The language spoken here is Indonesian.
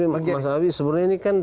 mas awi sebenarnya ini kan